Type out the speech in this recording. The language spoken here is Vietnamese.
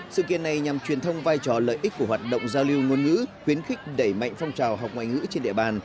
sự kiện này nhằm truyền thông vai trò lợi ích của hoạt động giao lưu ngôn ngữ khuyến khích đẩy mạnh phong trào học ngoại ngữ trên địa bàn